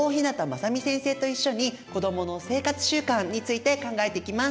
先生と一緒に子どもの生活習慣について考えていきます。